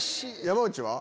山内は？